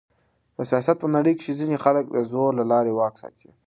د سیاست په نړۍ کښي ځينې خلک د زور له لاري واک ساتي.